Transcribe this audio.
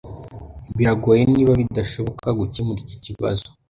Biragoye, niba bidashoboka, gukemura iki kibazo.